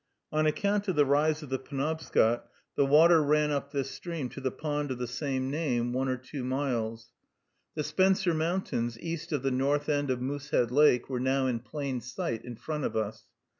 On account of the rise of the Penobscot, the water ran up this stream to the pond of the same name, one or two miles. The Spencer Mountains, east of the north end of Moosehead Lake, were now in plain sight in front of us.